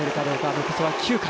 残すは９回。